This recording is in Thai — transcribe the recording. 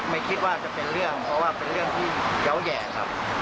ไม่คิดว่าจะเป็นเรื่องเพราะว่าเป็นเรื่องที่เยาว์แย่ครับ